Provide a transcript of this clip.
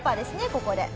ここで。